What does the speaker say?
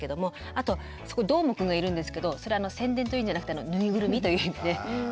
あとそこにどーもくんがいるんですけどそれは宣伝というんじゃなくてぬいぐるみという意味で。